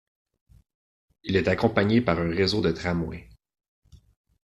Il est accompagné par un réseau de tramway.